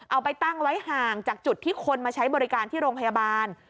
เอาไปตั้งไว้ห่างจากจุดที่คนมาใช้บริการที่โรงพยาบาล